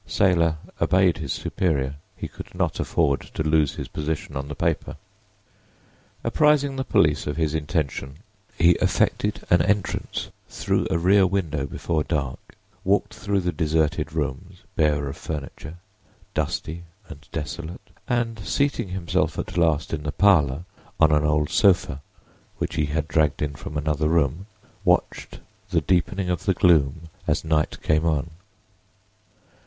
Saylor obeyed his superior; he could not afford to lose his position on the paper. Apprising the police of his intention, he effected an entrance through a rear window before dark, walked through the deserted rooms, bare of furniture, dusty and desolate, and seating himself at last in the parlor on an old sofa which he had dragged in from another room watched the deepening of the gloom as night came on.